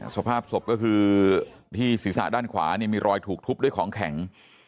สภาพศพก็คือที่ศีรษะด้านขวามีรอยถูกทุบด้วยของแข็ง